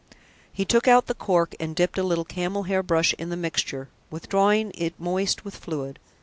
He took out the cork and dipped a little camel hair brush in the mixture, withdrawing it moist with fluid.